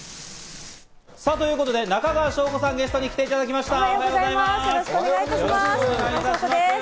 ということで中川翔子さん、ゲストに来ていただきました。